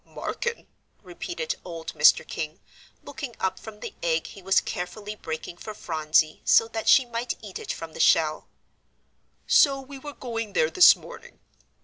"Marken?" repeated old Mr. King, looking up from the egg he was carefully breaking for Phronsie so that she might eat it from the shell. "So we were going there this morning.